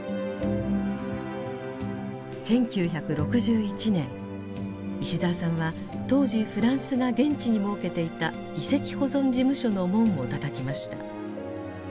１９６１年石澤さんは当時フランスが現地に設けていた遺跡保存事務所の門をたたきました。